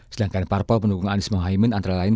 sedangkan parpol pendukung anies mohaimin antara lain